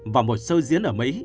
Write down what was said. vào một show diễn ở mỹ